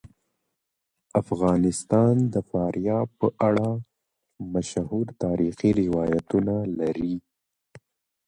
افغانستان د فاریاب په اړه مشهور تاریخی روایتونه لري.